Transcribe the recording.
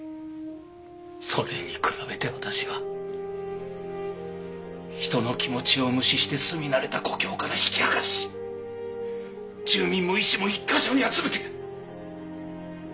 それに比べて私は人の気持ちを無視して住み慣れた故郷から引き剥がし住民も医師も１カ所に集めて。